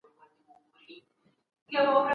د ارغنداب سیند غاړې ته دیني مدرسې هم سته.